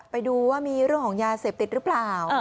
ไปดูว่ามีเรื่องของยาเสพติดหรือเปล่า